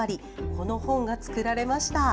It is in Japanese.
この本が作られました。